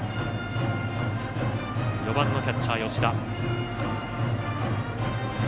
４番のキャッチャー、吉田。